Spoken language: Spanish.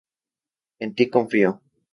En ti confío.